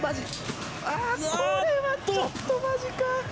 これはちょっと、まじか。